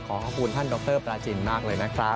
ขอขอบคุณท่านดรปราจินมากเลยนะครับ